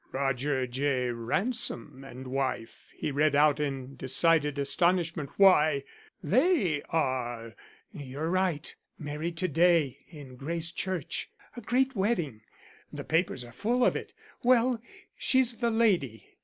"'Roger J. Ransom and wife,'" he read out in decided astonishment. "Why, they are " "You're right. Married to day in Grace Church. A great wedding; the papers are full of it. Well, she's the lady.